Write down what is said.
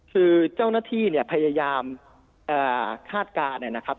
คือเจ้าหน้าที่เนี่ยพยายามคาดการณ์นะครับ